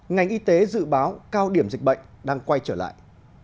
ngành y tế dự báo cao điểm dịch bệnh đang quay trở lại